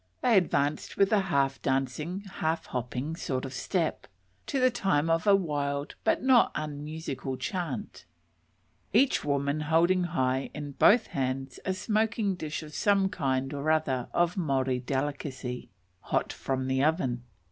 They advanced with a half dancing, half hopping sort of step, to the time of a wild but not unmusical chant, each woman holding high in both hands a smoking dish of some kind or other of Maori delicacy, hot from the oven.